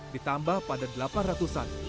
ditambah pada delapan ratusan